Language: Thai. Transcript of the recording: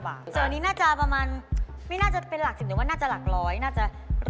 เจอนี้น่าจะประมาณไม่น่าจะเป็นหลัก๑๐แต่ว่าน่าจะหลัก๑๐๐น่าจะ๑๑๕๑๒๐